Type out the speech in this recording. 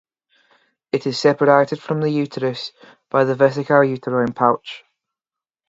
It is separated from the uterus by the vesico-uterine pouch.